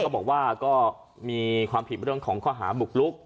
บอกว่าก็มีความผิดเรื่องของข้อหาบุกลุก